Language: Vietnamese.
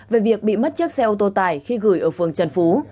về việc bị mất chiếc xe ô tô tải khi gửi ở phường trần phú